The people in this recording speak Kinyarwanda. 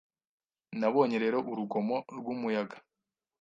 Nabonye rero urugomo rwumuyaga